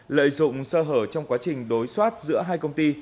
lợi dụng sơ hở trong quá trình đối soát giữa hai công ty